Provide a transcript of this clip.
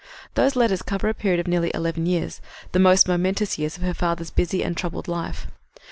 These letters cover a period of nearly eleven years the most momentous years of her father's busy and troubled life.